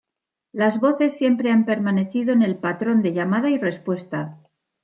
Las voces siempre han permanecido en el patrón de llamada y respuesta.